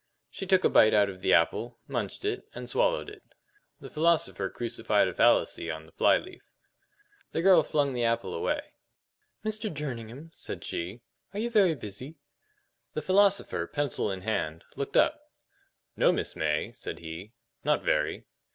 She took a bite out of the apple, munched it, and swallowed it. The philosopher crucified a fallacy on the fly leaf. The girl flung the apple away. "Mr. Jerningham," said she, "are you very busy?" The philosopher, pencil in hand, looked up. "No, Miss May," said he, "not very."